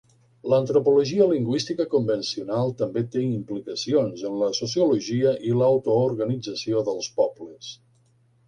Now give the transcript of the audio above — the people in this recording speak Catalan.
L'antropologia lingüística convencional també té implicacions en la sociologia i l'autoorganització dels pobles.